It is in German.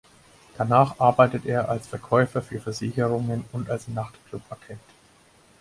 Danach arbeitet er als Verkäufer für Versicherungen und als Nach-Club-Agent.